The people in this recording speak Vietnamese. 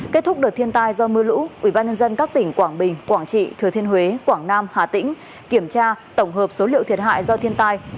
kết thúc đợt thiên tai do mưa lũ ubnd các tỉnh quảng bình quảng trị thừa thiên huế quảng nam hà tĩnh kiểm tra tổng hợp số liệu thiệt hại do thiên tai